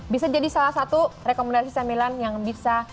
bisa jadi salah satu rekomendasi cemilan yang bisa